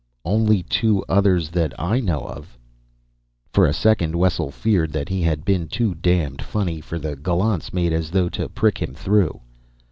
"Only two others that I know of." For a second Wessel feared that he had been too damned funny, for the gallants made as though to prick him through.